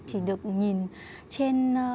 chỉ được nhìn trên